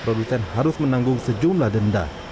pt di terus menanggung sejumlah denda